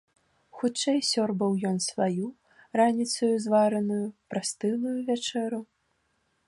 Хутчэй сёрбаў ён сваю, раніцаю звараную, прастылую вячэру.